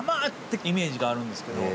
てイメージがあるんですけど。